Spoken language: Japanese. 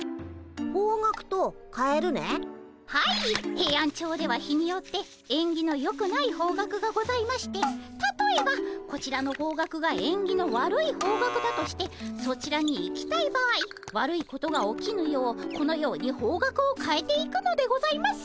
ヘイアンチョウでは日によってえんぎのよくない方角がございましてたとえばこちらの方角がえんぎの悪い方角だとしてそちらに行きたい場合悪いことが起きぬようこのように方角を変えて行くのでございます。